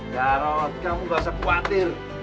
jarod kamu gak usah khawatir